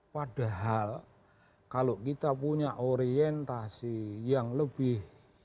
padahal kalau kita punya orientasi yang lebih